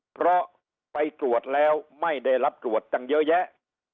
เพราะไปตรวจแล้วไม่ได้รับตรวจตั้งเยอะแยะ